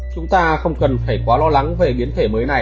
chúng ta không cần phải quá lo lắng về biến thể mới này